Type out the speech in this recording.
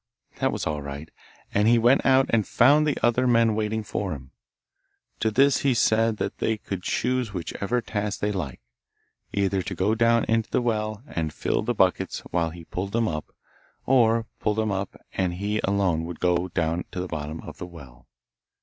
That was all right, and he went out and found the other men waiting for him. To these he said that they could choose whichever task they liked either to go down into the well and fill the buckets while he pulled them up, or pull them up, and he alone would go down to the bottom of the well.